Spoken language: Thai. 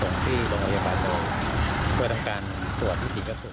ส่งที่บริษัทโดยการตรวจสอบที่๔กระสุนต่อไป